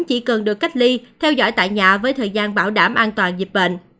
chỉ cần được cách ly theo dõi tại nhà với thời gian bảo đảm an toàn dịch bệnh